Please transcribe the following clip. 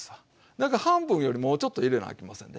だから半分よりもうちょっと入れなあきませんで。